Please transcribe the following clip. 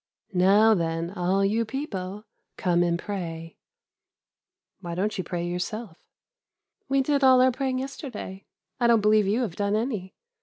"'Now, then, all you people, come and pray.' "'Why don't you pray yourself?' "'We did all our praying yesterday; I don't believe you have done any.